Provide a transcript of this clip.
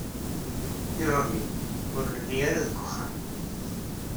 Iḍelli, ur nelli ara deg uxxam.